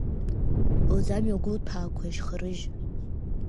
Лӡамҩа гәылҭәаақәа ашьхарыжь.